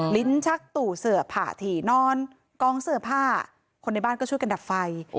ลิ้นชักตู่เสือผ่าถี่นอนกองเสื้อผ้าคนในบ้านก็ช่วยกันดับไฟ